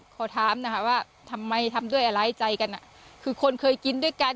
ขอถามนะคะว่าทำไมทำด้วยอะไรใจกันอ่ะคือคนเคยกินด้วยกัน